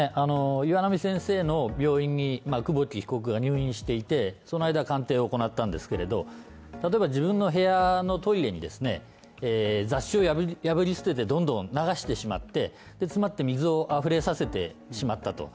岩波先生の病院に久保木被告が入院していて、その間鑑定を行ったんですけれど、例えば自分の部屋のトイレにですね、雑誌を破り破り捨ててどんどん流してしまって詰まって水をあふれさせてしまったと。